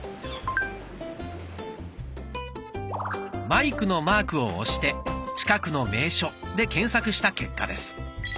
マイクのマークを押して「近くの名所」で検索した結果です。